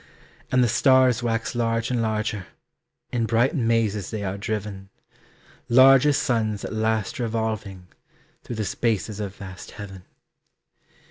And the stars wax large and larger, In bright mazes they are driven, Large as suns at last revolving, Through the spaces of vast heaven.